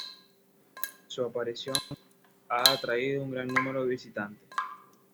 Su aparición ha atraído un gran número de visitantes.